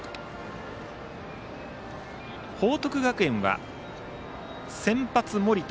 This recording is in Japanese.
報徳学園は先発、盛田。